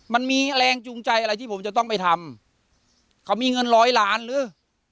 มันมีแรงจูงใจอะไรที่ผมจะต้องไปทำเขามีเงินร้อยล้านหรือ